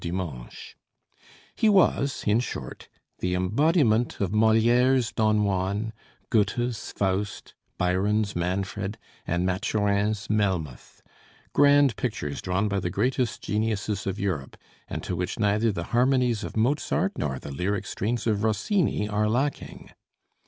Dimanche. He was, in short, the embodiment of Molière's Don Juan, Goethe's Faust, Byron's Manfred, and Maturin's Melmoth grand pictures drawn by the greatest geniuses of Europe, and to which neither the harmonies of Mozart nor the lyric strains of Rossini are lacking.